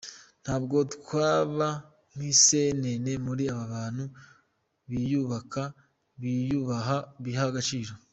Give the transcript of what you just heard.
Ntabwo twaba nk’isenene muri abantu biyubaka, biyubaha, biha agaciro.